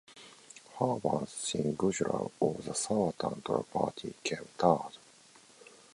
Harbans Singh Gujral of the Swatantra Party came third.